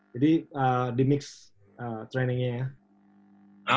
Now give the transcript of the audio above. jadi di mix training nya ya